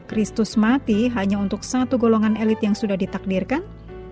kristus mati hanya untuk satu golongan elit yang sudah ditakdirkan